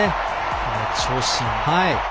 この長身。